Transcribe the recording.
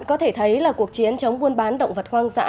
có thể thấy là cuộc chiến chống buôn bán động vật hoang dã